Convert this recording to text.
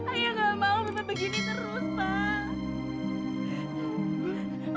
ayah nggak mau bapak begini terus pak